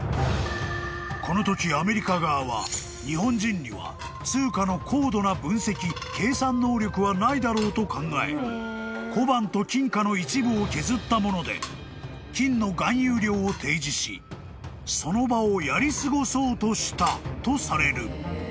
［このときアメリカ側は日本人には通貨の高度な分析・計算能力はないだろうと考え小判と金貨の一部を削ったもので金の含有量を提示しその場をやり過ごそうとしたとされる］